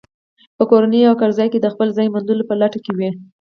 په کورنۍ او کارځای کې د خپل ځای موندلو په لټه کې وي.